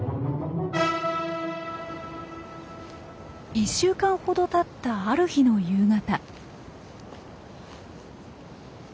１週間ほどたったある日の夕方。